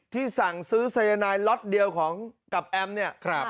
สั่งซื้อสายนายล็อตเดียวของกับแอมเนี่ย